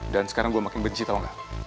dan sekarang gue makin benci tau gak